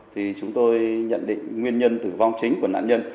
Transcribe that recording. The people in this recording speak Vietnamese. thì chúng tôi nhận định nguyên nhân tử vong chính của nạn nhân